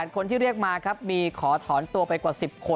คนที่เรียกมาครับมีขอถอนตัวไปกว่า๑๐คน